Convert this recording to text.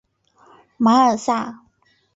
马尔萨。